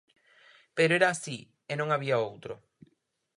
Pero era así, e non había outro: